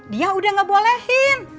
dia udah ngebolehin